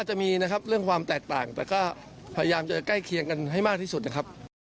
จะมีนะครับเรื่องความแตกต่างแต่ก็พยายามจะใกล้เคียงกันให้มากที่สุดนะครับ